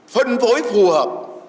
phân phối phù hợp